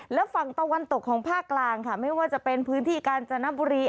และฝั่งตะวันตกของภาคกลางค่ะไม่ว่าจะเป็นพื้นที่กาญจนบุรี